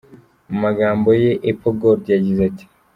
Mu magambo ye Apple Gold yagize ati:.